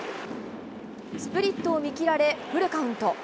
スプリットを見切られ、フルカウント。